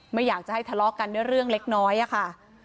ไม่อยากจะให้ทะเลาะกันด้วยเรื่องเล็กน้อยอะค่ะ